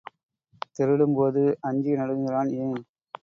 திருடும்போது அஞ்சி நடுங்குகிறான், ஏன்?